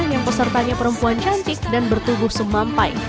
yang pesertanya perempuan cantik dan bertubuh semampai